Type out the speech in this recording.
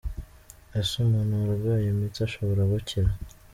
Ese umuntu warwaye imitsi ashobora gukira?.